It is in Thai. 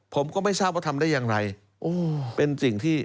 ผมก็ไม่ทราบว่าทำได้อย่างไรเป็นสิ่งที่